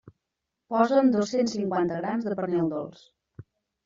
Posa'm dos-cents cinquanta grams de pernil dolç.